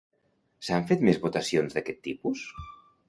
S'han fet més votacions d'aquest tipus?